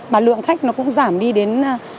mà lượng khách nó cũng giảm đi đến